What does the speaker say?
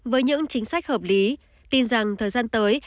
với những chính sách hợp lý tin rằng thời gian tới